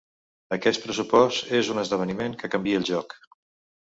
Aquest pressupost és un esdeveniment que canvia el joc.